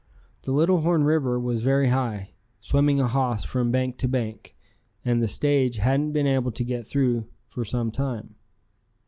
The Little Horn River was very high, swimming a hoss from bank to bank, and the stage hadn't been able to get through for some time.